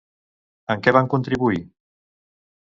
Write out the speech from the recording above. En què van contribuir?